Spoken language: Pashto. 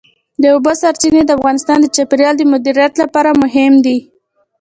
د اوبو سرچینې د افغانستان د چاپیریال د مدیریت لپاره مهم دي.